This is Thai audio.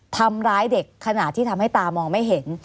ทำร้ายเด็กขนาดที่ทำให้ตามองไม่เห็น